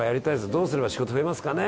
「どうすれば仕事増えますかね」